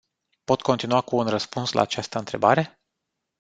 Pot continua cu un răspuns la această întrebare?